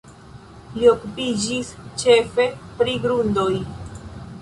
Li okupiĝis ĉefe pri grundoj.